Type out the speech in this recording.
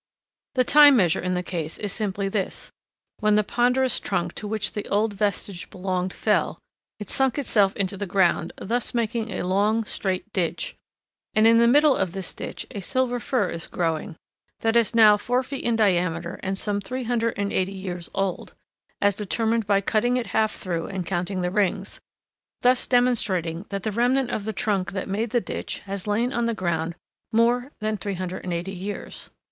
The time measure in the case is simply this: when the ponderous trunk to which the old vestige belonged fell, it sunk itself into the ground, thus making a long, straight ditch, and in the middle of this ditch a Silver Fir is growing that is now four feet in diameter and 380 years old, as determined by cutting it half through and counting the rings, thus demonstrating that the remnant of the trunk that made the ditch has lain on the ground more than 380 years.